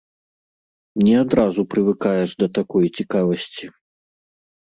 Не адразу прывыкаеш да такой цікавасці.